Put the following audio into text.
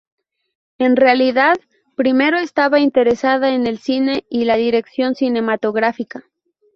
En realidad, primero estaba interesada en el cine y la dirección cinematográfica.